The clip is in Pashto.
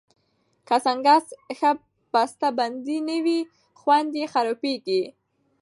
که سنکس ښه بستهبندي نه وي، خوند یې خرابېږي.